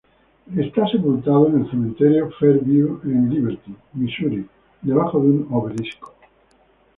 Está sepultado en el Cementerio Fairview en Liberty, Misuri debajo de un obelisco.